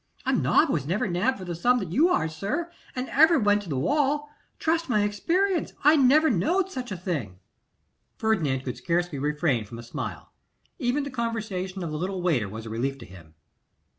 A nob was never nabbed for the sum you are, sir, and ever went to the wall. Trust my experience. I never knowed such a thing.' Ferdinand could scarcely refrain from a smile. Even the conversation of the little waiter was a relief to him.